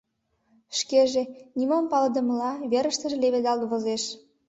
Шкеже, нимом палыдымыла, верыштыже леведалт возеш.